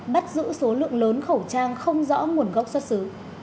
bắt giữ số lượng lớn khẩu trang không rõ nguồn gốc xuất xứ